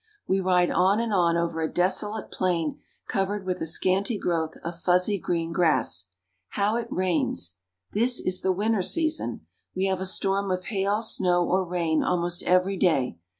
We ride on and on over a desolate plain covered with a scanty growth of fuzzy green grass. How it rains ! This is the winter season. We have a storm of hail, snow, or rain almost every day.